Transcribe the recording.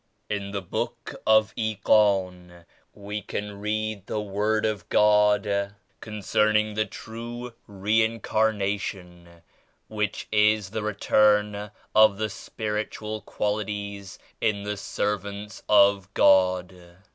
"In the Book of Ighan we can read the Word of God concerning the true Reincarna tion which is the Return of the Spiritual Quali ties in the Servants of God.